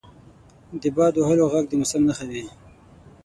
• د باد وهلو ږغ د موسم نښه وي.